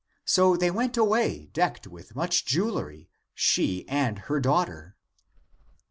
So they went away, decked with much jewelry, she and her daughter. 63.